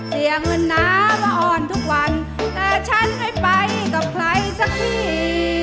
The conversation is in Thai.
เสียเงินน้ามาอ่อนทุกวันแต่ฉันไม่ไปกับใครสักที